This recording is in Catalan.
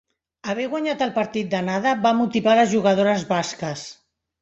Haver guanyat el partit d'anada va motivar les jugadores basques.